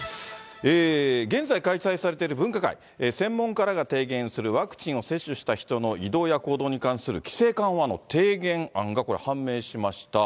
現在開催されている分科会、専門家らが提言するワクチンを接種した人の移動や行動に関する規制緩和の提言案がこれ、判明しました。